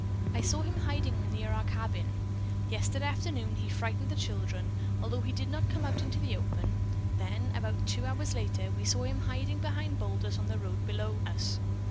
I saw him in hiding near our cabin. Yesterday afternoon he frightened the children, although he did not come out into the open; then about two hours later we saw him hiding behind boulders on the road below us.